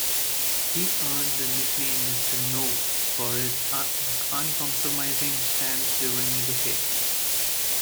He earned the nickname "Mr. No" for his uncompromising stance during negotiations.